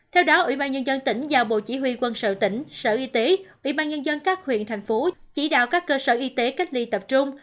theo đó ủy ban nhân dân tỉnh giao bộ chỉ huy quân sự tỉnh sở y tế ủy ban nhân dân các huyện thành phố chỉ đạo các cơ sở y tế cách ly tập trung